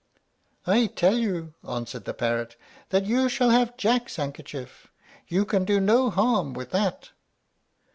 "I tell you," answered the parrot, "that you shall have Jack's handkerchief; you can do no harm with that."